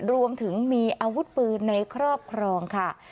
รวมถึงมีอาวุธปืนในครอบครองค่ะ